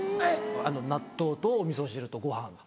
納豆とお味噌汁とご飯。